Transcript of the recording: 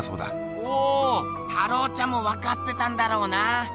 おお太郎ちゃんもわかってたんだろうな。